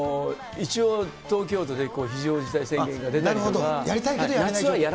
一応、東京都で非常事態宣言が出ているから。